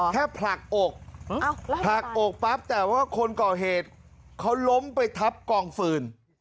แค่ผลักอกผลักอกปั๊บแต่ว่าคนก่อเหตุเขาล้มไปทับกองฟืน